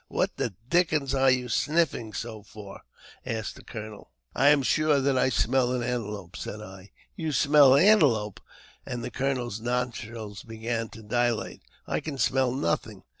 ♦* What the dickens are you sniffing so for ?" asked the colonel. " I am sure that I smell an antelope," said I. " You smell antelope !" and the colonel's nostrils began to dilate ;I can smell nothing."